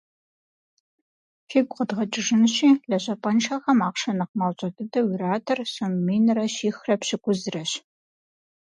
Фигу къэдгъэкӏыжынщи, лэжьапӏэншэхэм ахъшэ нэхъ мащӏэ дыдэу иратыр сом минрэ щихрэ пщӏыкӏузрэщ.